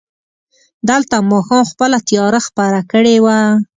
دلته ماښام خپله تياره خپره کړې وه.